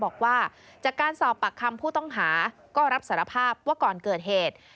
บอกว่าจากการสอบปากคำผู้ต้องหาก็รับสารภาพว่าก่อนเกิดเหตุ